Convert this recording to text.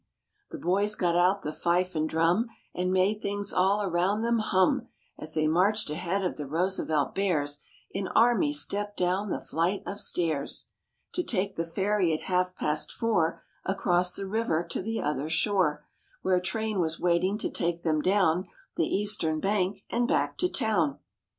The boys got out the fife and drum And made things all around them hum As they marched ahead of the Roosevelt Bears In army step down the flight of stairs To take the ferry at half past four Across the river to the other shore, Where a train was waiting to take them down The eastern bank and back to town.